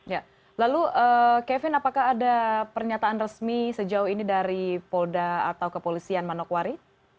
ya lalu kevin apakah ada pernyataan resmi sejauh ini dari polda atau kepolisian manokwari